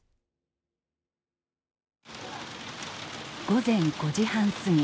午前５時半過ぎ。